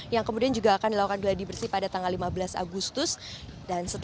yang kemudian juga akan dilakukan geladi bersih pada tanggal lima belas agustus